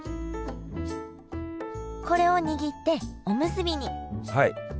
これを握っておむすびにはい。